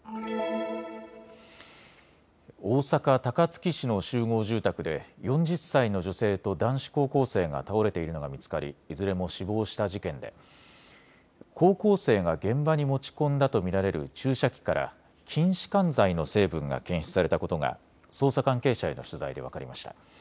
大阪高槻市の集合住宅で４０歳の女性と男子高校生が倒れているのが見つかりいずれも死亡した事件で高校生が現場に持ち込んだと見られる注射器から筋しかん剤の成分が検出されたことが捜査関係者への取材で分かりました。